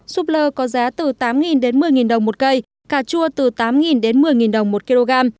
súp lơ có giá từ tám đến một mươi đồng một cây cà chua từ tám đến một mươi đồng một kg